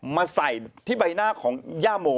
มาใส่ที่ใบหน้าของย่าโม